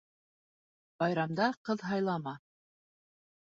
Байрамда ҡыҙ һайлама.